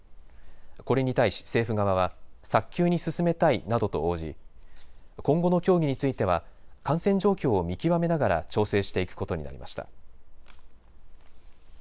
これに対し政府側は早急に進めたいなどと応じ今後の協議については感染状況を見極めながら調整していくことになりました。